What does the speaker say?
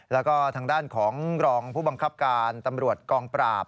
แล้วก็ทางด้านของรองผู้บังคับการตำรวจกองปราบ